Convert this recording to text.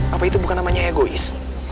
apa itu bukan namanya egois